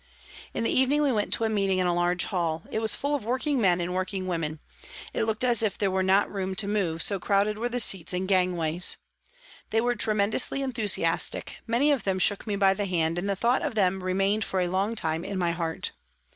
In the evening we went to a meeting in a large hall. It was full of working men and working JANE WARTON 239 women ; it looked as if there were not room to move, so crowded were the seats and gangways. They were tremendously enthusiastic, many of them shook me by the hand, and the thought of them remained for a long time in my heart.